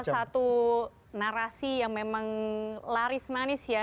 ini salah satu narasi yang memang laris manis ya